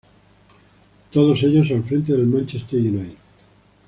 Todos ellos al frente del Manchester United.